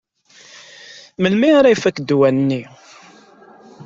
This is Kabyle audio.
Melmi ara ifak ddwa-nni?